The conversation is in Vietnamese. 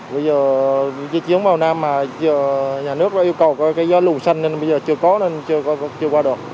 bây giờ chiến chiến vào nam mà nhà nước yêu cầu do lủ xanh nên bây giờ chưa có nên chưa qua được